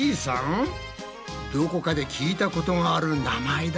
どこかで聞いたことがある名前だな。